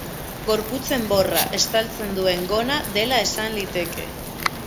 Gorputz-enborra estaltzen duen gona dela esan liteke.